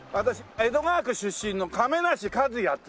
江戸川区出身の亀梨和也って。